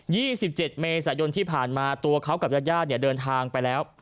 ี่สิบเจ็ดเมษายนที่ผ่านมาตัวเขากับญาติญาติเนี่ยเดินทางไปแล้ว